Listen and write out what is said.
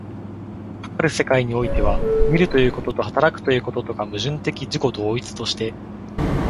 かかる世界においては、見るということと働くということとが矛盾的自己同一として、